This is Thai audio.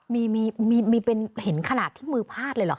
มีเป็นเห็นขนาดที่มือพาดเลยเหรอ